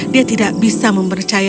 dia tidak bisa memotongnya